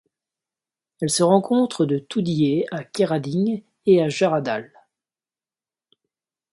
Elle se rencontre de Toodyay à Quairading et à Jarrahdale.